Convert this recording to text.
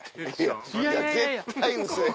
いや絶対ウソや。